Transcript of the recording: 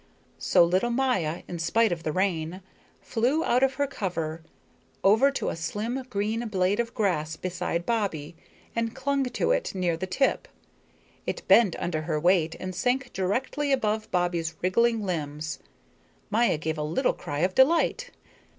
So little Maya, in spite of the rain, flew out of her cover over to a slim green blade of grass beside Bobbie, and clung to it near the tip. It bent under her weight and sank directly above Bobbie's wriggling limbs. Maya gave a little cry of delight.